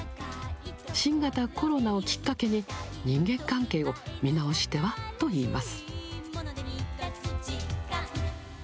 新型コロナをきっかけに、人間関係を見直してはと言います。